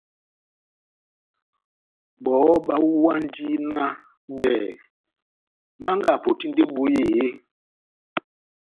Bɔhɔ bahuwahindi nah bɛh Manga apotindi ebohi eeeh?